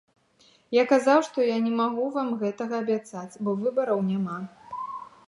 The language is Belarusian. Я казаў, што я не магу вам гэтага абяцаць, бо выбараў няма.